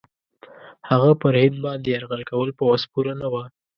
هغه پر هند باندي یرغل کول په وس پوره نه وه.